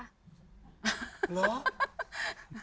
หรอ